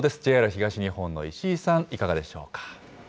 ＪＲ東日本の石井さん、いかがでしょうか。